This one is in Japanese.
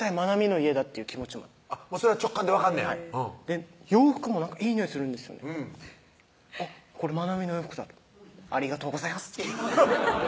家だっていう気持ちもそれは直感で分かんねや洋服もいいにおいするんですよねあっこれ愛海の洋服だありがとうございますハハッ